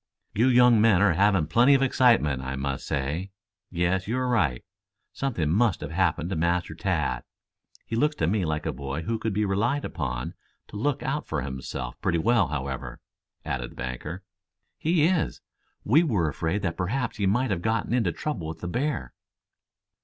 "You young men are having plenty of excitement, I must say. Yes, you are right. Something must have happened to Master Tad. He looks to me like a boy who could be relied upon to look out for himself pretty well, however," added the banker. "He is. We were afraid that perhaps he might have gotten into trouble with the bear."